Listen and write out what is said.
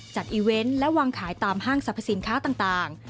อีเวนต์และวางขายตามห้างสรรพสินค้าต่าง